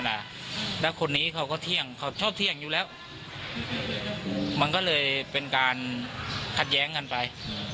แล้วคนนี้เขาก็เที่ยงเขาชอบเที่ยงอยู่แล้วมันก็เลยเป็นการขัดแย้งกันไป